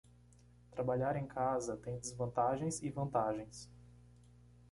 Trabalhar em casa tem desvantagens e vantagens.